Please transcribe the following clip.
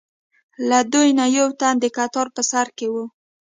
له دوی نه یو تن د کتار په سر کې و.